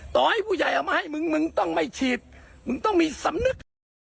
ต่อให้ผู้ใหญ่เอามาให้มึงมึงต้องไม่ฉีดมึงต้องมีสำนึก